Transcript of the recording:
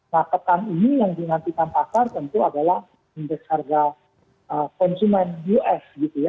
nah pekan ini yang dinantikan pasar tentu adalah indeks harga konsumen us gitu ya